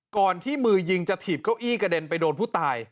ก่อนที่มือยิงจะถีบเก้าอี้กระเด็นไปโดนผู้ตาย